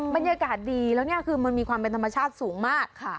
บรรยากาศดีแล้วนี่คือมันมีความเป็นธรรมชาติสูงมากค่ะ